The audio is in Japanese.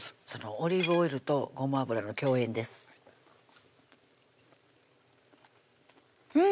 オリーブオイルとごま油の共演ですうん！